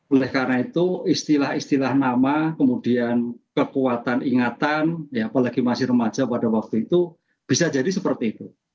oleh karena itu istilah istilah nama kemudian kekuatan ingatan ya apalagi masih remaja pada waktu itu bisa jadi seperti itu